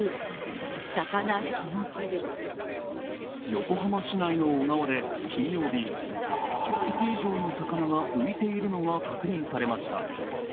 横浜市内の小川で金曜日、１０匹以上の魚が浮いているのが確認されました。